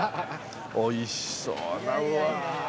おいしそうなうわ。